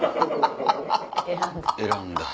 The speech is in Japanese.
選んだ。